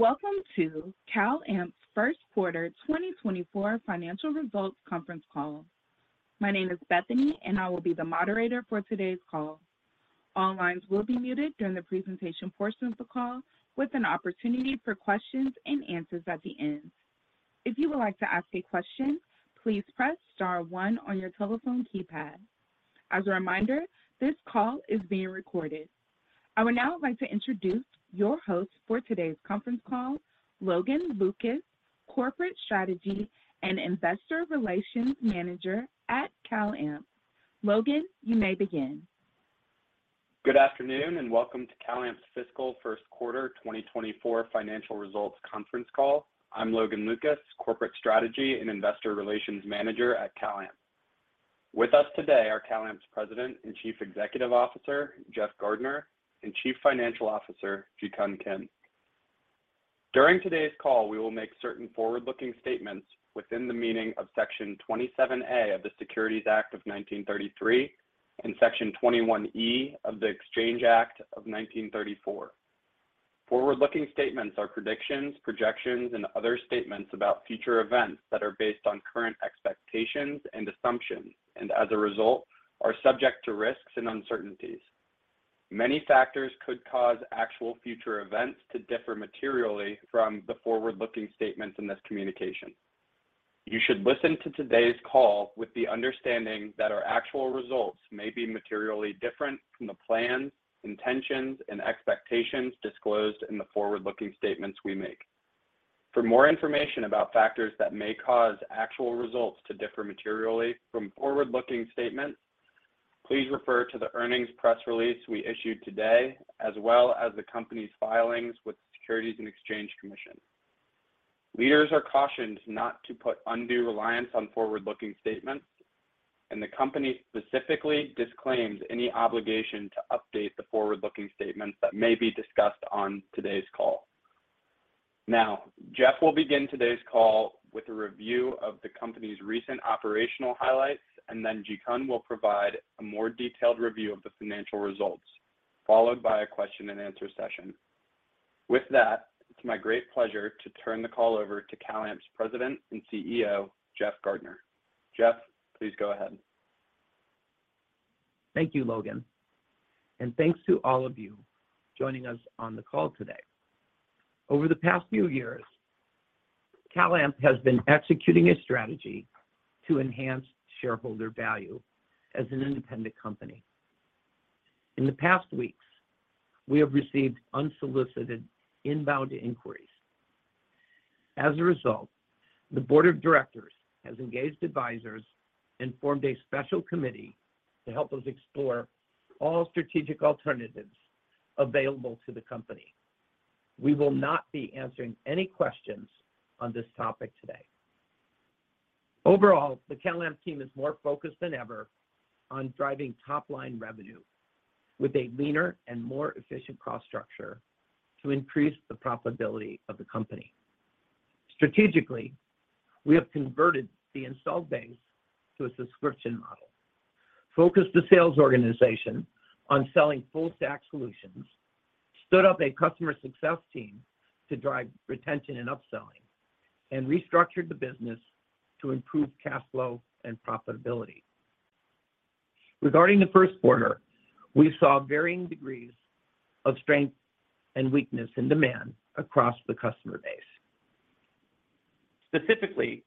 Welcome to CalAmp first quarter 2024 financial results conference call. My name is Bethany, and I will be the moderator for today's call. All lines will be muted during the presentation portion of the call, with an opportunity for questions and answers at the end. If you would like to ask a question, please press star one on your telephone keypad. As a reminder, this call is being recorded. I would now like to introduce your host for today's conference call, Logan Lucas, Corporate Strategy and Investor Relations Manager at CalAmp. Logan, you may begin. Good afternoon, welcome to CalAmp fiscal first quarter 2024 financial results conference call. I'm Logan Lucas, Corporate Strategy and Investor Relations Manager at CalAmp. With us today are CalAmp President and Chief Executive Officer, Jeff Gardner, and Chief Financial Officer, Jikun Kim. During today's call, we will make certain forward-looking statements within the meaning of Section 27A of the Securities Act of 1933 and Section 21E of the Exchange Act of 1934. Forward-looking statements are predictions, projections, and other statements about future events that are based on current expectations and assumptions, and as a result, are subject to risks and uncertainties. Many factors could cause actual future events to differ materially from the forward-looking statements in this communication. You should listen to today's call with the understanding that our actual results may be materially different from the plans, intentions, and expectations disclosed in the forward-looking statements we make. For more information about factors that may cause actual results to differ materially from forward-looking statements, please refer to the earnings press release we issued today, as well as the company's filings with the Securities and Exchange Commission. Leaders are cautioned not to put undue reliance on forward-looking statements, and the company specifically disclaims any obligation to update the forward-looking statements that may be discussed on today's call. Jeff will begin today's call with a review of the company's recent operational highlights, and then Jikun will provide a more detailed review of the financial results, followed by a question and answer session. With that, it's my great pleasure to turn the call over to CalAmp's President and CEO, Jeff Gardner. Jeff, please go ahead. Thank you, Logan, and thanks to all of you joining us on the call today. Over the past few years, CalAmp has been executing a strategy to enhance shareholder value as an independent company. In the past weeks, we have received unsolicited inbound inquiries. As a result, the board of directors has engaged advisors and formed a special committee to help us explore all strategic alternatives available to the company. We will not be answering any questions on this topic today. Overall, the CalAmp team is more focused than ever on driving top-line revenue with a leaner and more efficient cost structure to increase the profitability of the company. Strategically, we have converted the installed base to a subscription model, focused the sales organization on selling full-stack solutions, stood up a customer success team to drive retention and upselling, and restructured the business to improve cash flow and profitability. Regarding the first quarter, we saw varying degrees of strength and weakness in demand across the customer base. Specifically,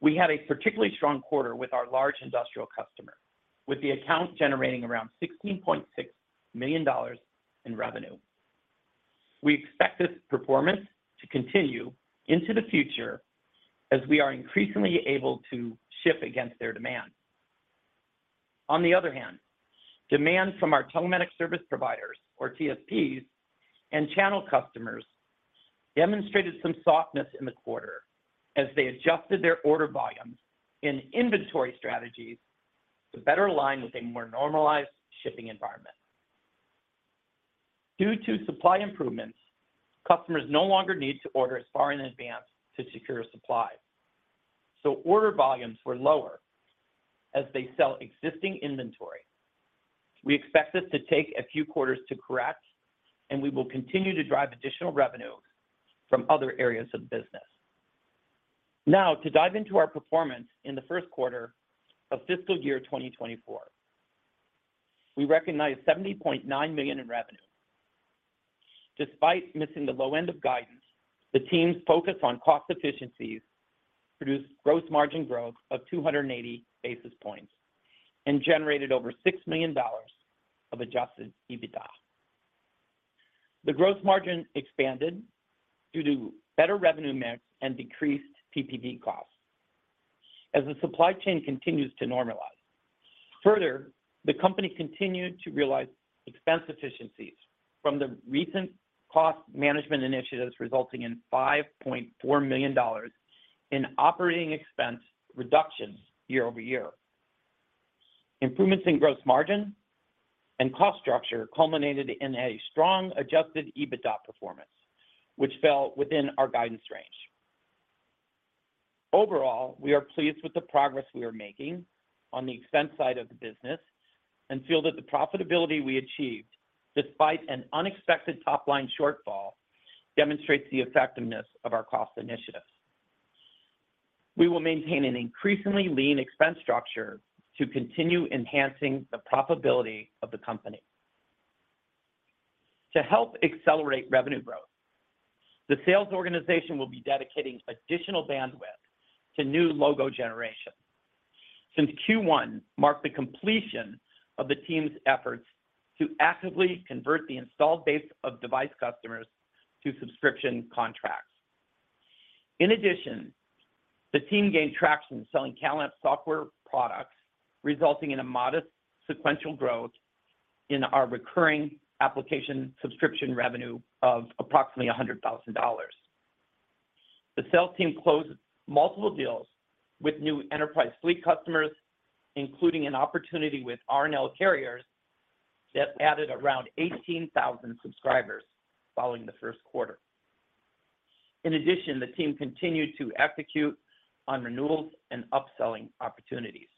we had a particularly strong quarter with our large industrial customer, with the account generating around $16.6 million in revenue. We expect this performance to continue into the future as we are increasingly able to ship against their demand. Demand from our Telematics Service Providers, or TSPs, and channel customers demonstrated some softness in the quarter as they adjusted their order volumes and inventory strategies to better align with a more normalized shipping environment. Due to supply improvements, customers no longer need to order as far in advance to secure supply, order volumes were lower as they sell existing inventory. We expect this to take a few quarters to correct. We will continue to drive additional revenue from other areas of the business. Now, to dive into our performance in the first quarter of fiscal year 2024, we recognized $70.9 million in revenue. Despite missing the low end of guidance, the team's focus on cost efficiencies produced gross margin growth of 280 basis points and generated over $6 million of adjusted EBITDA. The growth margin expanded due to better revenue mix and decreased PPV costs as the supply chain continues to normalize. Further, the company continued to realize expense efficiencies from the recent cost management initiatives, resulting in $5.4 million in operating expense reductions year-over-year. Improvements in gross margin and cost structure culminated in a strong adjusted EBITDA performance, which fell within our guidance range. Overall, we are pleased with the progress we are making on the expense side of the business, and feel that the profitability we achieved, despite an unexpected top-line shortfall, demonstrates the effectiveness of our cost initiatives. We will maintain an increasingly lean expense structure to continue enhancing the profitability of the company. To help accelerate revenue growth, the sales organization will be dedicating additional bandwidth to new logo generation. Since Q1 marked the completion of the team's efforts to actively convert the installed base of device customers to subscription contracts. In addition, the team gained traction selling CalAmp software products, resulting in a modest sequential growth in our recurring application subscription revenue of approximately $100,000. The sales team closed multiple deals with new enterprise fleet customers, including an opportunity with R&L Carriers that added around 18,000 subscribers following the first quarter. The team continued to execute on renewals and upselling opportunities.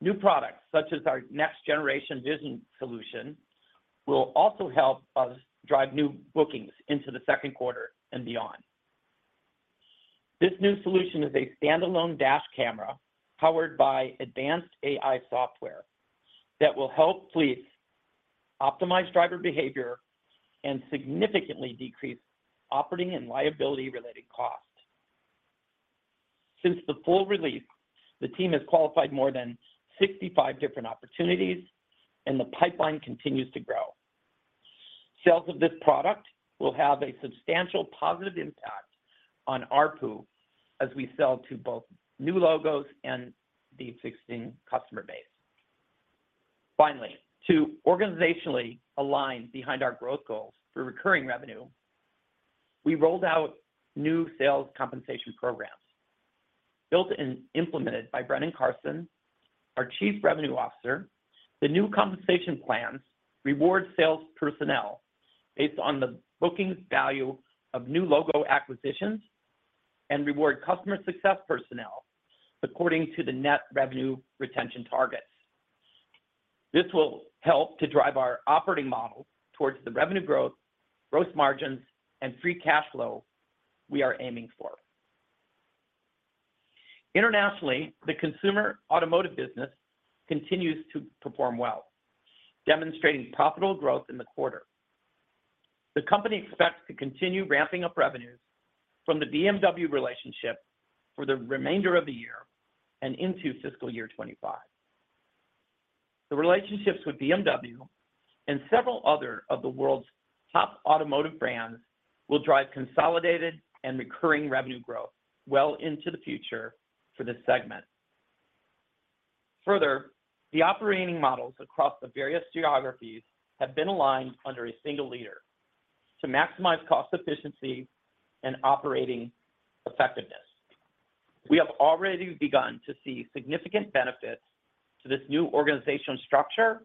New products, such as our next generation Vision solution, will also help us drive new bookings into the second quarter and beyond. This new solution is a standalone dash camera powered by advanced AI software that will help fleets optimize driver behavior and significantly decrease operating and liability-related costs. Since the full release, the team has qualified more than 65 different opportunities, and the pipeline continues to grow. Sales of this product will have a substantial positive impact on ARPU as we sell to both new logos and the existing customer base. To organizationally align behind our growth goals for recurring revenue, we rolled out new sales compensation programs. Built and implemented by Brennan Carson, our Chief Revenue Officer, the new compensation plans reward sales personnel based on the bookings value of new logo acquisitions, and reward customer success personnel according to the net revenue retention targets. This will help to drive our operating model towards the revenue growth, gross margins, and free cash flow we are aiming for. Internationally, the consumer automotive business continues to perform well, demonstrating profitable growth in the quarter. The company expects to continue ramping up revenues from the BMW relationship for the remainder of the year and into fiscal year 25. The relationships with BMW and several other of the world's top automotive brands will drive consolidated and recurring revenue growth well into the future for this segment. The operating models across the various geographies have been aligned under a single leader to maximize cost efficiency and operating effectiveness. We have already begun to see significant benefits to this new organizational structure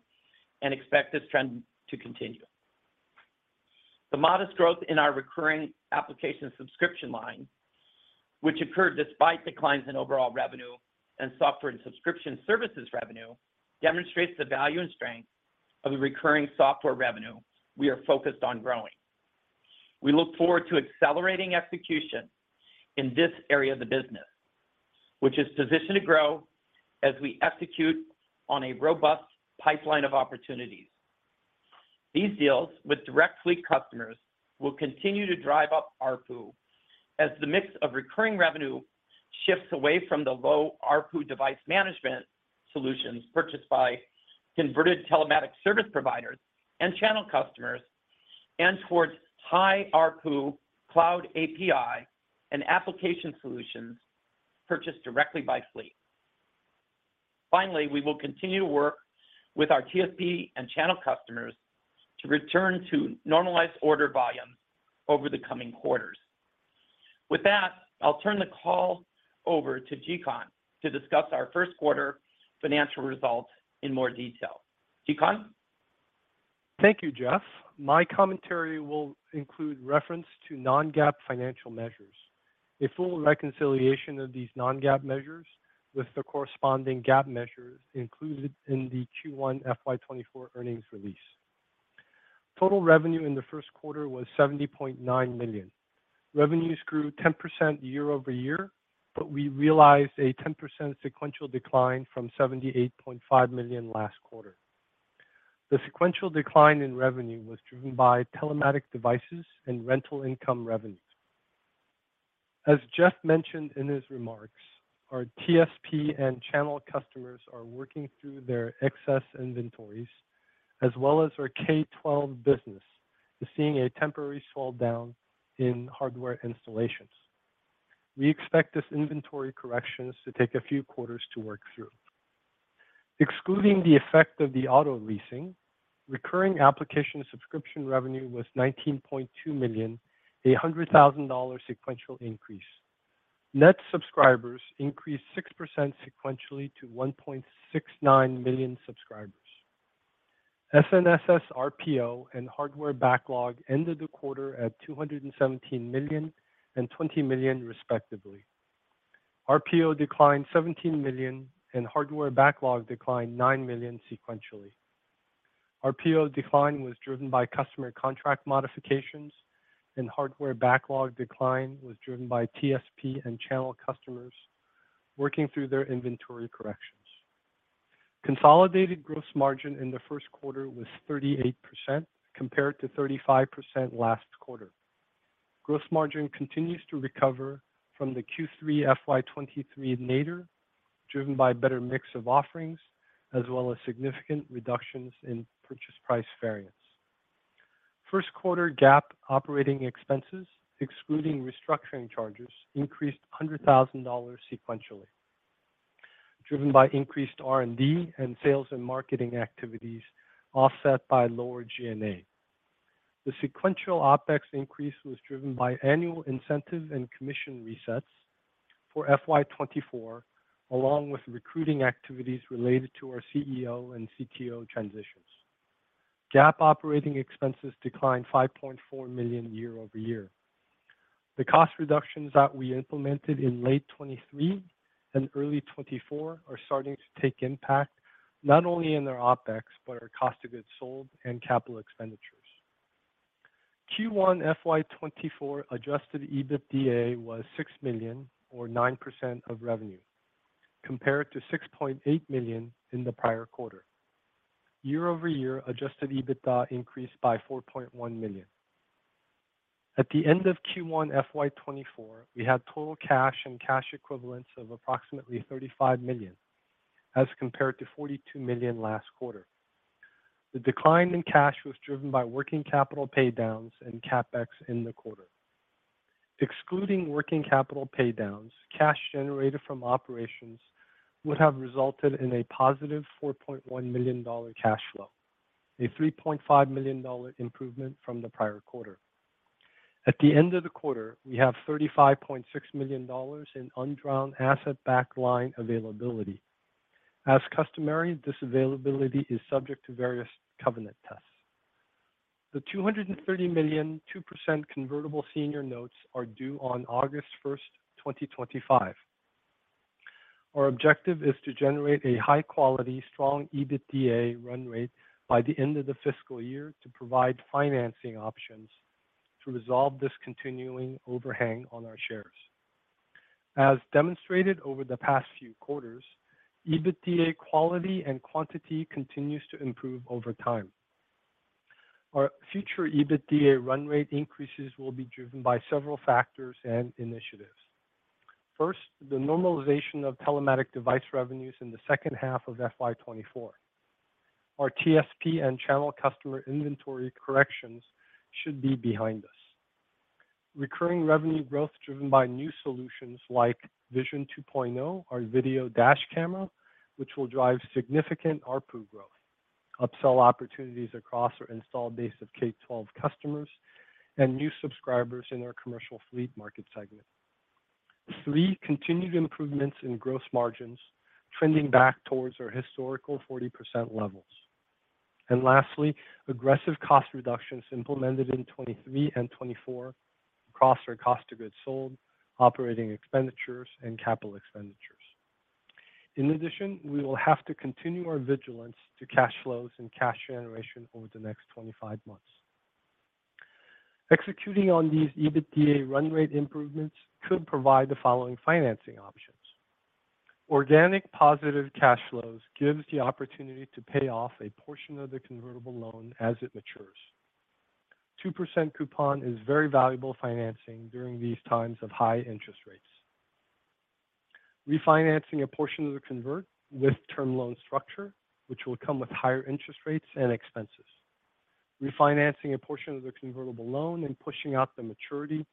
and expect this trend to continue. The modest growth in our recurring application subscription line, which occurred despite declines in overall revenue and software and subscription services revenue, demonstrates the value and strength of the recurring software revenue we are focused on growing. We look forward to accelerating execution in this area of the business, which is positioned to grow as we execute on a robust pipeline of opportunities. These deals with direct fleet customers will continue to drive up ARPU, as the mix of recurring revenue shifts away from the low ARPU device management solutions purchased by converted Telematics Service Providers and channel customers, and towards high ARPU cloud API and application solutions purchased directly by fleet. We will continue to work with our TSP and channel customers to return to normalized order volumes over the coming quarters. With that, I'll turn the call over to Jikun to discuss our first quarter financial results in more detail. Jikun? Thank you, Jeff. My commentary will include reference to non-GAAP financial measures. A full reconciliation of these non-GAAP measures with the corresponding GAAP measures included in the Q1 FY 2024 earnings release. Total revenue in the first quarter was $70.9 million. Revenues grew 10% year over year, but we realized a 10% sequential decline from $78.5 million last quarter. The sequential decline in revenue was driven by telematics devices and rental income revenues. As Jeff mentioned in his remarks, our TSPs and channel customers are working through their excess inventories, as well as our K-12 business is seeing a temporary slowdown in hardware installations. We expect this inventory corrections to take a few quarters to work through. Excluding the effect of the auto leasing, recurring application subscription revenue was $19.2 million, a $100,000 sequential increase. Net subscribers increased 6% sequentially to 1.69 million subscribers. SNSS RPO and hardware backlog ended the quarter at $217 million and $20 million, respectively. RPO declined $17 million, and hardware backlog declined $9 million sequentially. RPO decline was driven by customer contract modifications, and hardware backlog decline was driven by TSP and channel customers working through their inventory corrections. Consolidated gross margin in the first quarter was 38%, compared to 35% last quarter. Gross margin continues to recover from the Q3 FY23 nadir, driven by a better mix of offerings, as well as significant reductions in purchase price variance. First quarter GAAP operating expenses, excluding restructuring charges, increased $100,000 sequentially, driven by increased R&D and sales and marketing activities, offset by lower G&A. The sequential OpEx increase was driven by annual incentive and commission resets for FY 2024, along with recruiting activities related to our CEO and CTO transitions. GAAP operating expenses declined $5.4 million year-over-year. The cost reductions that we implemented in late 2023 and early 2024 are starting to take impact, not only in our OpEx, but our cost of goods sold and capital expenditures. Q1 FY 2024 adjusted EBITDA was $6 million or 9% of revenue, compared to $6.8 million in the prior quarter. Year-over-year, adjusted EBITDA increased by $4.1 million. At the end of Q1 FY 2024, we had total cash and cash equivalents of approximately $35 million, as compared to $42 million last quarter. The decline in cash was driven by working capital paydowns and CapEx in the quarter. Excluding working capital paydowns, cash generated from operations would have resulted in a positive $4.1 million cash flow, a $3.5 million improvement from the prior quarter. At the end of the quarter, we have $35.6 million in undrawn asset backline availability. As customary, this availability is subject to various covenant tests. The $230 million 2% convertible senior notes are due on August 1st, 2025. Our objective is to generate a high-quality, strong EBITDA run rate by the end of the fiscal year to provide financing options to resolve this continuing overhang on our shares. As demonstrated over the past few quarters, EBITDA quality and quantity continues to improve over time. Our future EBITDA run rate increases will be driven by several factors and initiatives. First, the normalization of telematics device revenues in the second half of FY 2024. Our TSP and channel customer inventory corrections should be behind us. Recurring revenue growth driven by new solutions like Vision 2.0, our video dash camera, which will drive significant ARPU growth, upsell opportunities across our installed base of K-12 customers, and new subscribers in our commercial fleet market segment. Three, continued improvements in gross margins, trending back towards our historical 40% levels. Lastly, aggressive cost reductions implemented in 2023 and 2024 across our cost of goods sold, operating expenditures, and capital expenditures. In addition, we will have to continue our vigilance to cash flows and cash generation over the next 25 months. Executing on these EBITDA run rate improvements could provide the following financing options: Organic positive cash flows gives the opportunity to pay off a portion of the convertible loan as it matures. 2% coupon is very valuable financing during these times of high interest rates. Refinancing a portion of the convert with term loan structure, which will come with higher interest rates and expenses. Refinancing a portion of the convertible loan and pushing out the maturity,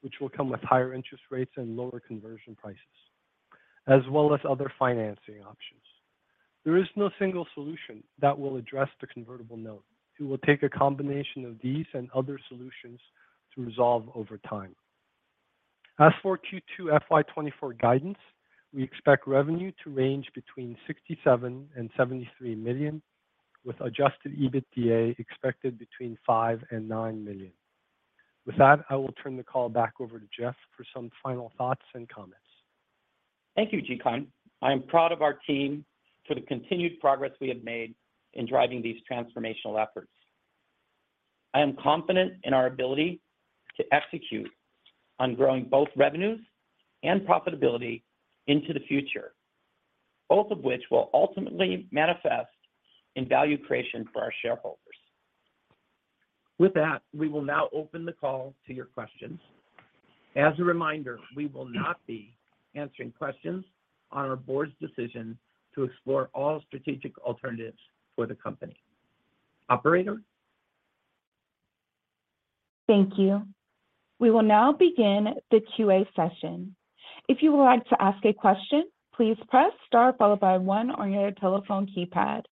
which will come with higher interest rates and lower conversion prices, as well as other financing options. There is no single solution that will address the convertible note. It will take a combination of these and other solutions to resolve over time. As for Q2 FY 2024 guidance, we expect revenue to range between $67 million-$73 million, with adjusted EBITDA expected between $5 million-$9 million. With that, I will turn the call back over to Jeff for some final thoughts and comments. Thank you, Jikun. I am proud of our team for the continued progress we have made in driving these transformational efforts. I am confident in our ability to execute on growing both revenues and profitability into the future, both of which will ultimately manifest in value creation for our shareholders. With that, we will now open the call to your questions. As a reminder, we will not be answering questions on our board's decision to explore all strategic alternatives for the company. Operator? Thank you. We will now begin the QA session. If you would like to ask a question, please press star followed by 1 on your telephone keypad.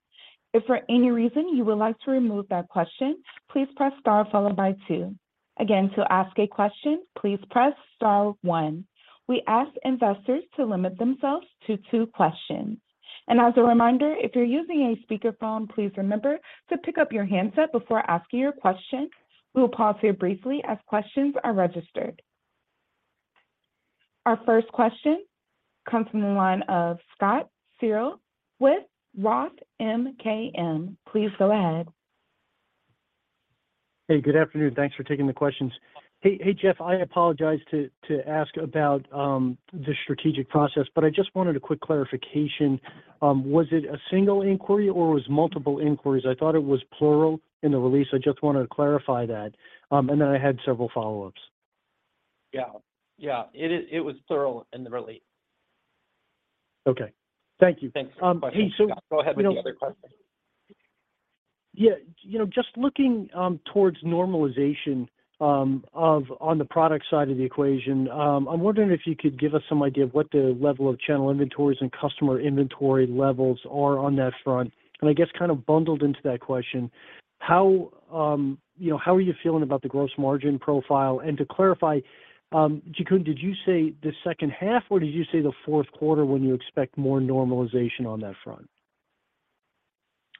If for any reason you would like to remove that question, please press star followed by 2. Again, to ask a question, please press star 1. We ask investors to limit themselves to 2 questions. As a reminder, if you're using a speakerphone, please remember to pick up your handset before asking your question. We will pause here briefly as questions are registered. Our first question comes from the line of Scott Searle with Roth MKM. Please go ahead. Hey, good afternoon. Thanks for taking the questions. Hey, Jeff, I apologize to ask about the strategic process, but I just wanted a quick clarification. Was it a single inquiry or was multiple inquiries? I thought it was plural in the release. I just wanted to clarify that, then I had several follow-ups. Yeah. Yeah, it is, it was plural in the release. Okay. Thank you. Thanks. Hey. Go ahead with the other question. Yeah, you know, just looking towards normalization of on the product side of the equation, I'm wondering if you could give us some idea of what the level of channel inventories and customer inventory levels are on that front. I guess kind of bundled into that question, how, how are you feeling about the gross margin profile? To clarify, Jikun, did you say the second half, or did you say the fourth quarter when you expect more normalization on that front?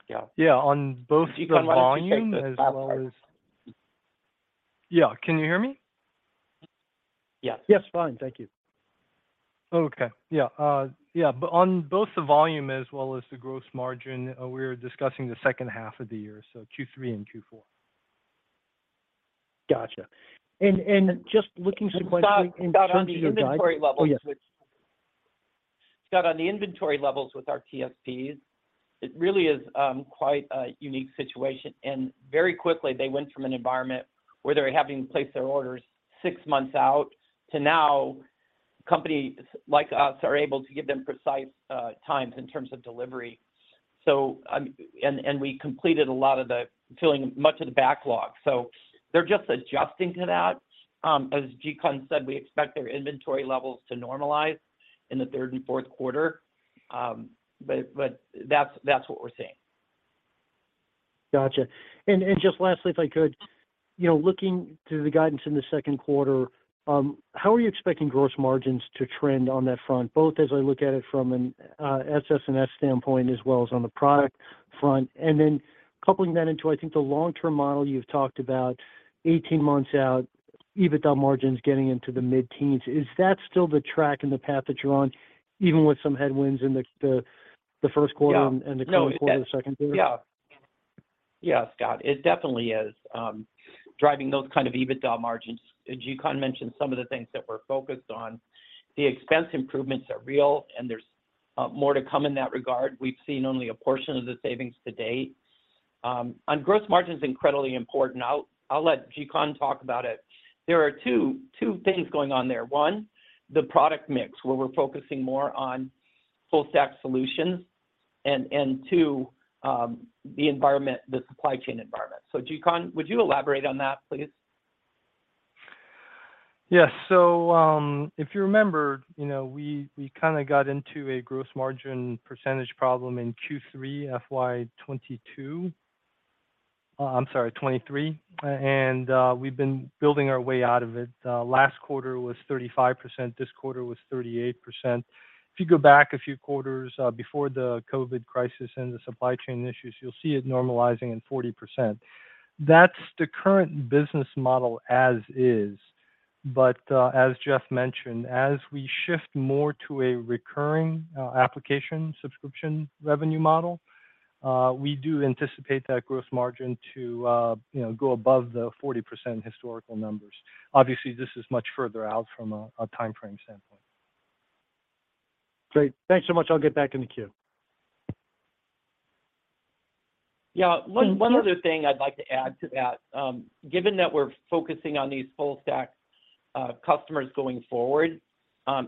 Yeah. Yeah, on both the volume. Yeah. Can you hear me? Yes. Yes, fine. Thank you. Okay. Yeah, yeah, on both the volume as well as the gross margin, we're discussing the second half of the year, so Q3 and Q4. Gotcha. Just looking to-. Scott, on the inventory levels. Oh, yes. Scott, on the inventory levels with our TSPs, it really is quite a unique situation. Very quickly, they went from an environment where they're having to place their orders 6 months out to now, companies like us are able to give them precise times in terms of delivery. And we completed filling much of the backlog. They're just adjusting to that. As Jikun said, we expect their inventory levels to normalize in the 3rd and 4th quarter. That's what we're seeing. Gotcha. Just lastly, if I could, you know, looking to the guidance in the second quarter, how are you expecting gross margins to trend on that front, both as I look at it from a SaaS standpoint, as well as on the product front? Then coupling that into, I think, the long-term model, you've talked about 18 months out, EBITDA margins getting into the mid-teens. Is that still the track and the path that you're on, even with some headwinds in the first quarter?, and the second quarter? Yeah. Scott, it definitely is driving those kind of EBITDA margins. Jikun mentioned some of the things that we're focused on. The expense improvements are real, and there's more to come in that regard. We've seen only a portion of the savings to date. On gross margin is incredibly important. I'll let Jikun talk about it. There are two things going on there. One, the product mix, where we're focusing more on full stack solutions, and two, the environment, the supply chain environment. Jikun, would you elaborate on that, please? Yes. If you remember, you know, we kind got into a gross margin percentage problem in Q3, FY 2022. I'm sorry, 2023, and we've been building our way out of it. Last quarter was 35%, this quarter was 38%. If you go back a few quarters, before the COVID crisis and the supply chain issues, you'll see it normalizing in 40%. That's the current business model as is. As Jeff mentioned, as we shift more to a recurring, application subscription revenue model, we do anticipate that gross margin to, you know, go above the 40% historical numbers. Obviously, this is much further out from a timeframe standpoint. Great. Thanks so much. I'll get back in the queue. Yeah. One other thing I'd like to add to that, given that we're focusing on these full stack customers going forward,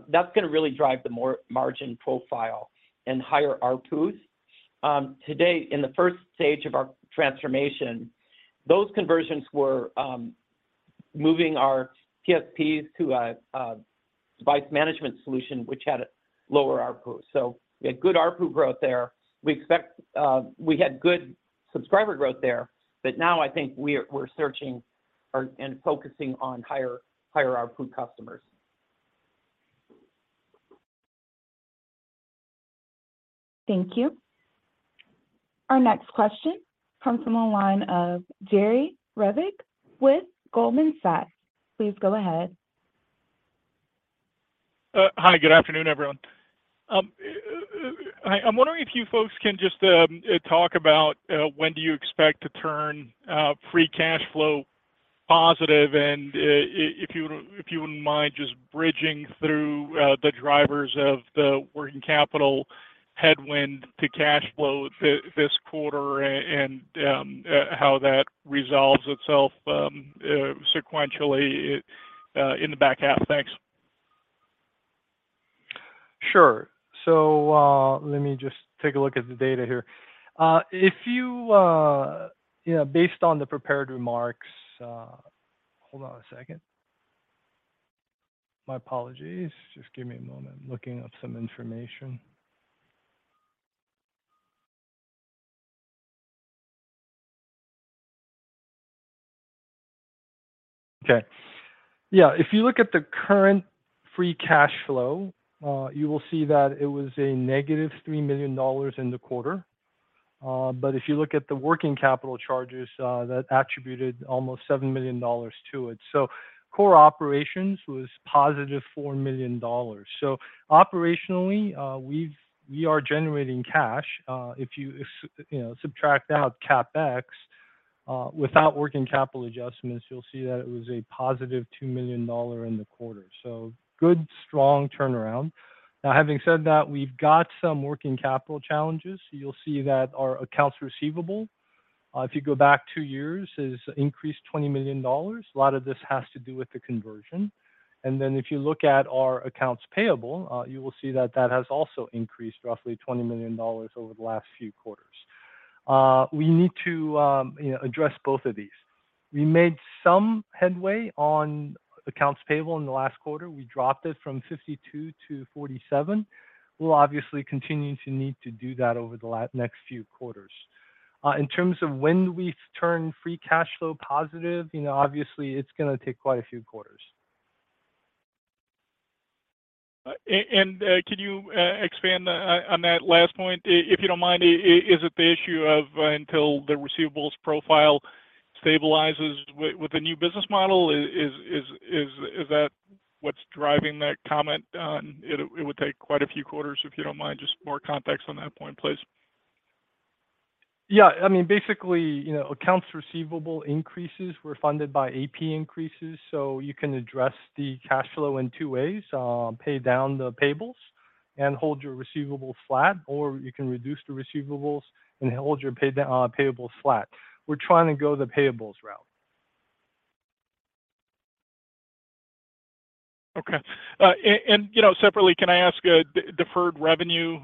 that's gonna really drive the more margin profile and higher ARPU. Today, in the first stage of our transformation, those conversions were moving our TSPs to a device management solution which had a lower ARPU. Good ARPU growth there. We had good subscriber growth there, now I think we're searching and focusing on higher ARPU customers. Thank you. Our next question comes from the line of Jerry Revich with Goldman Sachs. Please go ahead. Hi, good afternoon, everyone. I'm wondering if you folks can just talk about when do you expect to turn free cash flow positive, and if you wouldn't mind just bridging through the drivers of the working capital headwind to cash flow this quarter and how that resolves itself sequentially in the back half. Thanks. Sure. Let me just take a look at the data here. If you know, based on the prepared remarks. Hold on a second. My apologies. Just give me a moment. I'm looking up some information. Okay. Yeah, if you look at the current free cash flow, you will see that it was a negative $3 million in the quarter. If you look at the working capital charges, that attributed almost $7 million to it. Core operations was positive $4 million. Operationally, we are generating cash. If you know, subtract out CapEx, without working capital adjustments, you'll see that it was a positive $2 million dollar in the quarter. Good, strong turnaround. Now, having said that, we've got some working capital challenges. You'll see that our accounts receivable, if you go back 2 years, is increased $20 million. A lot of this has to do with the conversion. Then if you look at our accounts payable, you will see that that has also increased roughly $20 million over the last few quarters. We need to, you know, address both of these. We made some headway on accounts payable in the last quarter. We dropped it from 52 to 47. We'll obviously continue to need to do that over the next few quarters. In terms of when we turn free cash flow positive, you know, obviously, it's gonna take quite a few quarters. Can you expand on that last point? If you don't mind, is it the issue of until the receivables profile stabilizes with the new business model? Is that what's driving that comment, it would take quite a few quarters? If you don't mind, just more context on that point, please. Yeah. I mean, basically, you know, accounts receivable increases were funded by AP increases, so you can address the cash flow in two ways. Pay down the payables and hold your receivables flat, or you can reduce the receivables and hold your payables flat. We're trying to go the payables route. You know, separately, can I ask, deferred revenue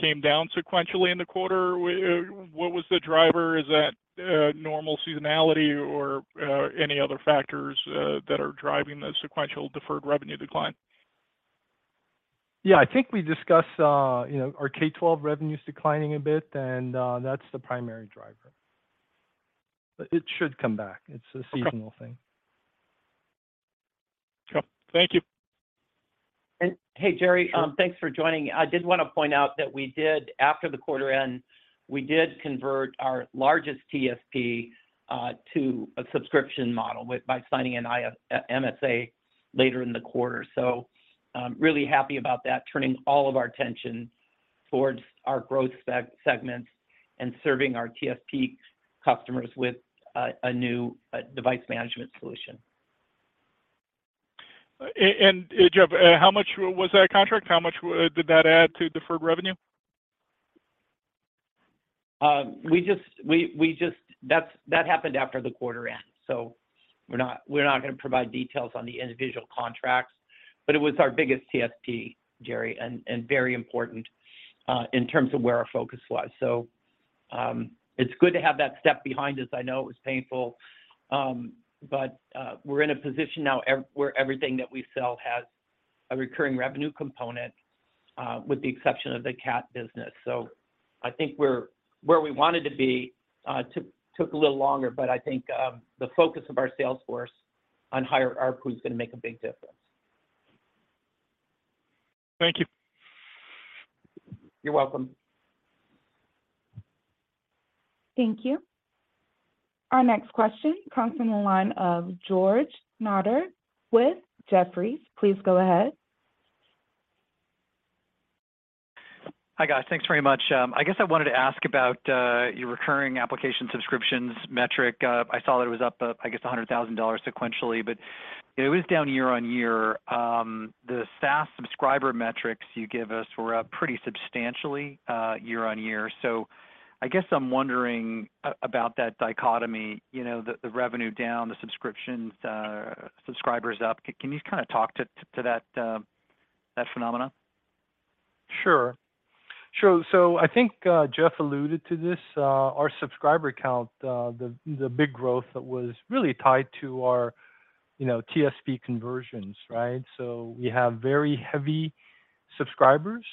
came down sequentially in the quarter. What was the driver? Is that normal seasonality or any other factors that are driving the sequential deferred revenue decline? Yeah, I think we discussed, you know, our K-12 revenue is declining a bit, and, that's the primary driver. It should come back. It's a seasonal thing. Cool. Thank you. Hey, Jerry. Thanks for joining. I did wanna point out that we did, after the quarter end, we did convert our largest TSP to a subscription model by signing an IFA MSA later in the quarter. Really happy about that, turning all of our attention towards our growth segments and serving our TSP customers with a new device management solution. Jeff, how much was that contract? How much did that add to deferred revenue? That happened after the quarter end. We're not gonna provide details on the individual contracts, but it was our biggest TSP, Jerry, and very important in terms of where our focus lies. It's good to have that step behind us. I know it was painful, but we are in a position now where everything that we sell has a recurring revenue component with the exception of the CAT business. I think we're where we wanted to be. Took a little longer, but I think the focus of our sales force on higher ARPU is gonna make a big difference. Thank you. You're welcome. Thank you. Our next question comes from the line of George Notter with Jefferies. Please go ahead. Hi, guys. Thanks very much. I guess I wanted to ask about your recurring application subscriptions metric. I saw that it was up, I guess, $100,000 sequentially, but it was down year-on-year. The SaaS subscriber metrics you give us were up pretty substantially, year-on-year. I guess I'm wondering about that dichotomy, you know, the revenue down, the subscriptions, subscribers up. Can you kind of talk to that phenomena? Sure. I think, Jeff alluded to this, our subscriber count, the big growth that was really tied to our, you know, TSP conversions, right? We have very heavy subscribers,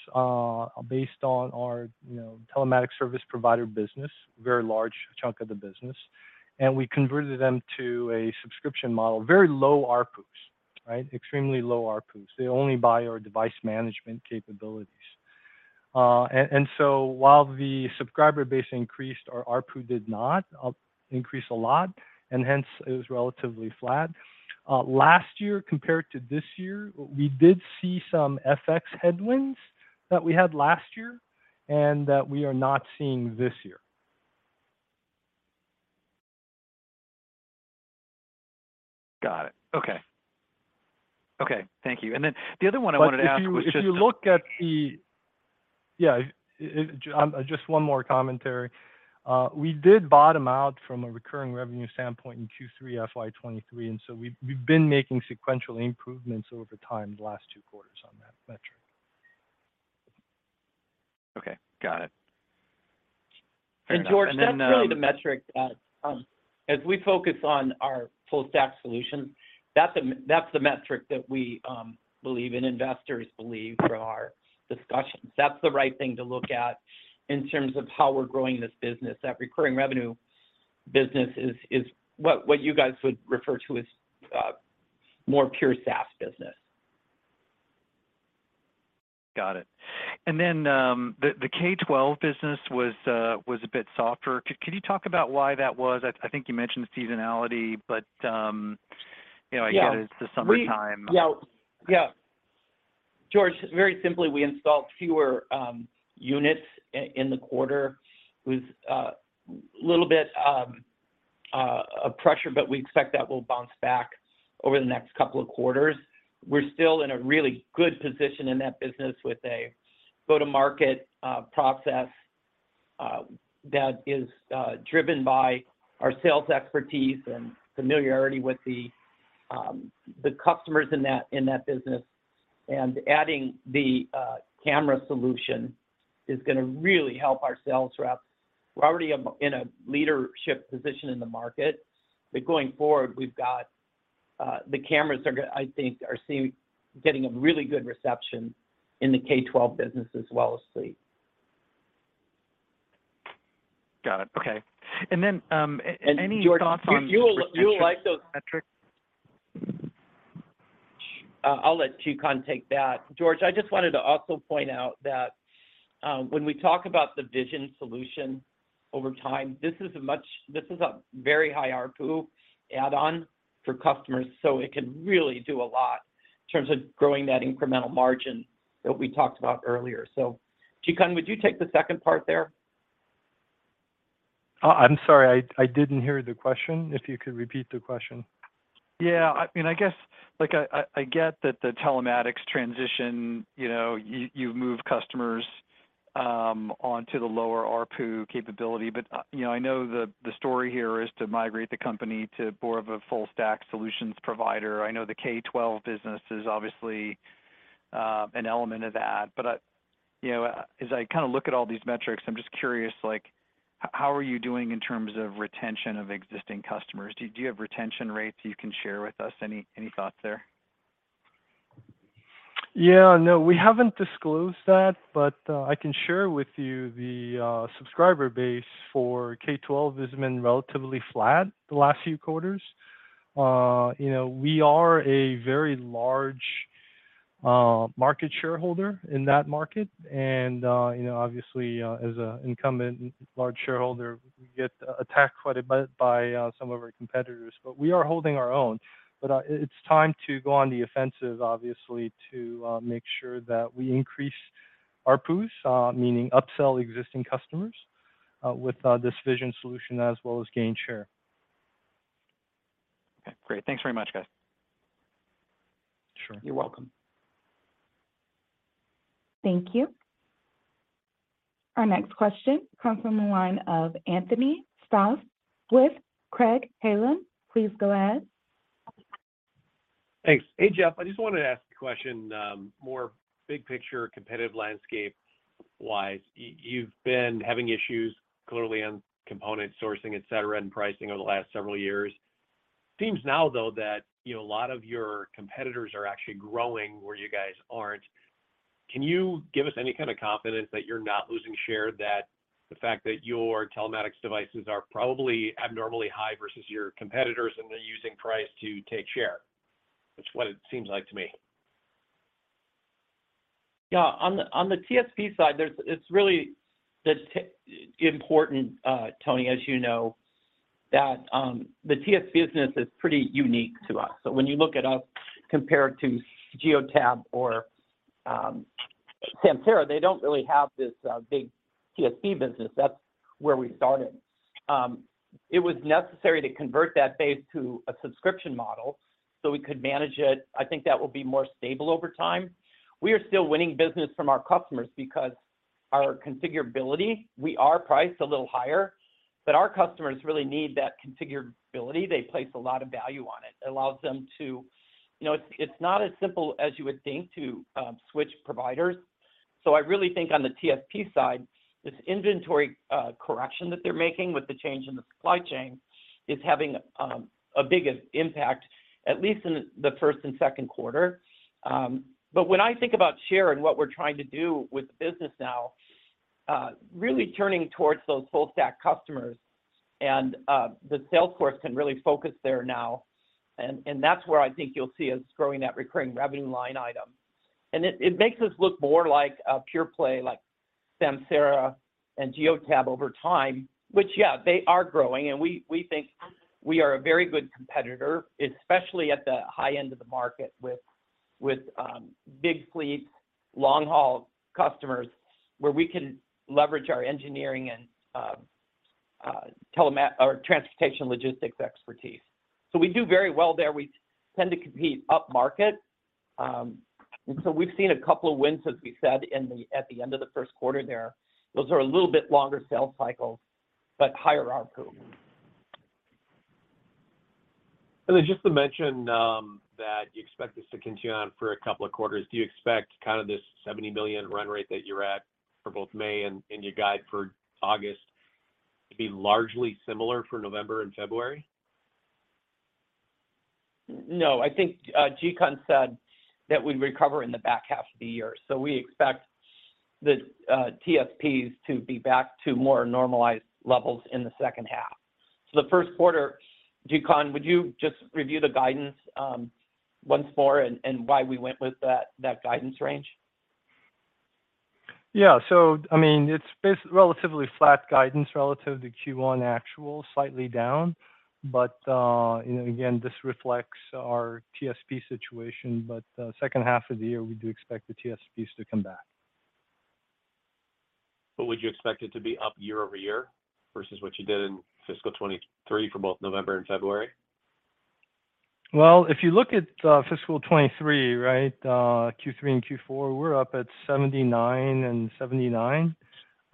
based on our, you know, Telematics Service Provider business, very large chunk of the business, and we converted them to a subscription model. Very low ARPUs, right? Extremely low ARPUs. They only buy our device management capabilities. While the subscriber base increased, our ARPU did not increase a lot, and hence, it was relatively flat. Last year, compared to this year, we did see some FX headwinds that we had last year and that we are not seeing this year. Got it. Okay. Okay, thank you. Then the other one I wanted to ask was. If you look at the... Yeah, just one more commentary. We did bottom out from a recurring revenue standpoint in Q3 FY2023, and so we've been making sequential improvements over time the last two quarters on that metric. Okay. Got it. Then. George, that's The metric that as we focus on our full stack solution, that's the metric that we believe, and investors believe for our discussions. That's the right thing to look at in terms of how we're growing this business. That recurring revenue business is what you guys would refer to as more pure SaaS business. Got it. And then, the K-12 business was a bit softer. Can you talk about why that was? I think you mentioned seasonality, but, you know, I get summertime. Yeah, yeah. George, very simply, we installed fewer units in the quarter with a little bit of pressure, but we expect that we'll bounce back over the next couple of quarters. We're still in a really good position in that business with a go-to-market process that is driven by our sales expertise and familiarity with the customers in that, in that business. Adding the camera solution is gonna really help our sales reps. We're already in a leadership position in the market, but going forward, we've got. The cameras are I think, are getting a really good reception in the K-12 business as well as SLED. Got it. Okay, and then any thoughts on-you'll like those metrics? I'll let Jikun take that. George, I just wanted to also point out that when we talk about the vision solution over time, this is a very high ARPU add-on for customers, so it can really do a lot in terms of growing that incremental margin that we talked about earlier. Jikun, would you take the second part there? I'm sorry, I didn't hear the question. If you could repeat the question. Yeah, I mean, I guess, like I get that the telematics transition, you know, you move customers onto the lower ARPU capability. You know, I know the story here is to migrate the company to more of a full stack solutions provider. I know the K-12 business is obviously an element of that, but I, you know, as I kinda look at all these metrics, I'm just curious, like, how are you doing in terms of retention of existing customers? Do you have retention rates you can share with us? Any thoughts there? Yeah, no, we haven't disclosed that, but I can share with you the subscriber base for K-12 has been relatively flat the last few quarters. You know, we are a very large market shareholder in that market, and you know, obviously, as an incumbent large shareholder, we get attacked quite a bit by some of our competitors, but we are holding our own. It's time to go on the offensive, obviously, to make sure that we increase ARPUs, meaning upsell existing customers, with this Vision solution as well as gain share. Okay, great. Thanks very much, guys. Sure. You're welcome. Thank you. Our next question comes from the line of Anthony Stoss with Craig-Hallum. Please go ahead. Thanks. Hey, Jeff. I just wanted to ask a question, more big picture, competitive landscape-wise. You've been having issues clearly on component sourcing, et cetera, and pricing over the last several years. Seems now, though, that, you know, a lot of your competitors are actually growing where you guys aren't. Can you give us any kind of confidence that you're not losing share, that the fact that your telematics devices are probably abnormally high versus your competitors, and they're using price to take share? That's what it seems like to me. Yeah, on the, on the TSP side, it's really important, Tony, as you know, that the TSP business is pretty unique to us. When you look at us compared to Geotab or Samsara, they don't really have this big TSP business. That's where we started. It was necessary to convert that base to a subscription model, so we could manage it. I think that will be more stable over time. We are still winning business from our customers because our configurability, we are priced a little higher, but our customers really need that configurability. They place a lot of value on it. It allows them to... You know, it's not as simple as you would think to switch providers. I really think on the TSP side, this inventory correction that they're making with the change in the supply chain is having a big impact, at least in the first and second quarter. When I think about share and what we're trying to do with the business now, really turning towards those full stack customers, and the sales force can really focus there now, and that's where I think you'll see us growing that recurring revenue line item. It makes us look more like a pure play, like Samsara and Geotab over time, which, yeah, they are growing, and we think we are a very good competitor, especially at the high end of the market with big fleet, long-haul customers, where we can leverage our engineering and transportation logistics expertise. We do very well there. We tend to compete upmarket. We've seen a couple of wins, as we said, at the end of the first quarter there. Those are a little bit longer sales cycles, but higher ARPU. Just to mention, that you expect this to continue on for a couple of quarters, do you expect kind of this $70 million run rate that you're at for both May and your guide for August to be largely similar for November and February? No, I think Jikun said that we'd recover in the back half of the year. We expect the TSPs to be back to more normalized levels in the second half. The first quarter, Jikun, would you just review the guidance once more and why we went with that guidance range? Yeah. I mean, it's relatively flat guidance relative to Q1 actual, slightly down, but you know, again, this reflects our TSP situation, second half of the year, we do expect the TSPs to come back. Would you expect it to be up year over year versus what you did in fiscal 2023 for both November and February? Well, if you look at, fiscal 2023, right, Q3 and Q4, we're up at $79 and $79.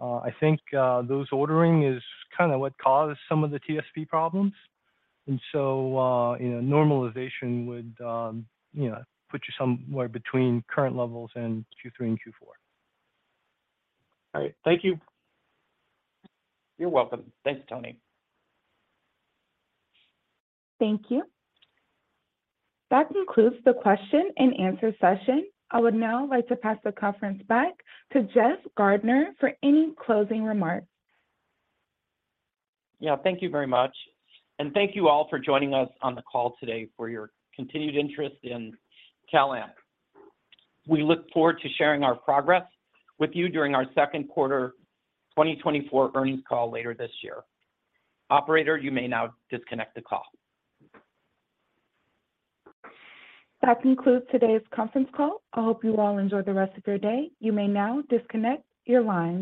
I think, those ordering is kind of what caused some of the TSP problems, and so, you know, normalization would, you know, put you somewhere between current levels and Q3 and Q4. All right. Thank you. You're welcome. Thanks, Tony. Thank you. That concludes the question and answer session. I would now like to pass the conference back to Jeff Gardner for any closing remarks. Yeah, thank you very much. Thank you all for joining us on the call today, for your continued interest in CalAmp. We look forward to sharing our progress with you during our second quarter 2024 earnings call later this year. Operator, you may now disconnect the call. That concludes today's conference call. I hope you all enjoy the rest of your day. You may now disconnect your lines.